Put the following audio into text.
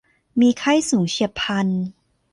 มีไข้สูงเฉียบพลัน